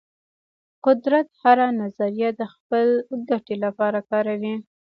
قدرت هره نظریه د خپل ګټې لپاره کاروي.